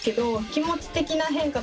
気持ち的な変化